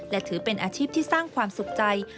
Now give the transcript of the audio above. และถือเป็นอาชีพที่สร้างความสุขใจ